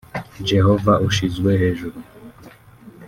Jehovah ushyizwe hejuru’